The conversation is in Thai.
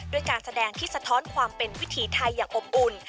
การแสดงที่สะท้อนความเป็นวิถีไทยอย่างอบอุ่น